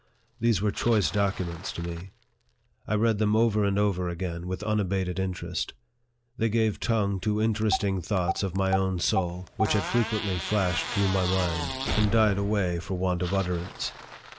These were choice documents to me. I read them over and over again with unabated interest. They gave tongue to interesting thoughts of my own soul, which had frequently flashed through my mind, 40 NARRATIVE OF THE and died away for want of utterance.